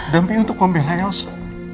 tapi untuk pembela elsa